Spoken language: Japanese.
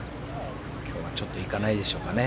ちょっと行かないでしょうかね。